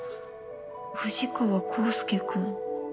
藤川孝介君。